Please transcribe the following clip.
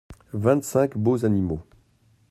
Vingt-cinq beaux animaux.